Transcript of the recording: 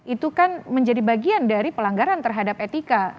itu kan menjadi bagian dari pelanggaran terhadap etika